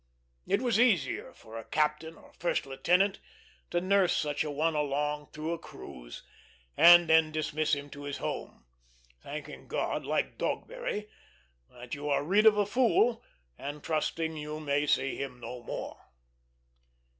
It was easier for a captain or first lieutenant to nurse such a one along through a cruise, and then dismiss him to his home, thanking God, like Dogberry, that you are rid of a fool, and trusting you may see him no more.